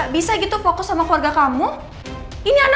biarin aja me ending sama aldebaran dan reina